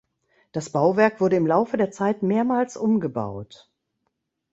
Das Bauwerk wurde im Laufe der Zeit mehrmals umgebaut.